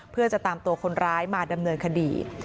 เพื่อจะตามตัวคนร้ายมาดำเนินคดี